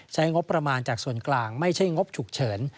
ใช้งบประมาณจากส่วนกลางไม่ใช่งบฉุกเฉิน